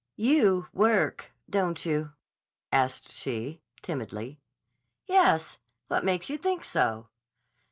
"You work, don't you?" asked she, timidly. "Yes. What makes you think so?"